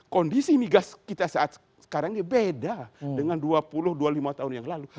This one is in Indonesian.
kondisi migas kita saat sekarang ini beda dengan dua puluh dua puluh lima tahun yang lalu